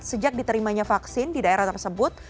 sejak diterimanya vaksin di daerah tersebut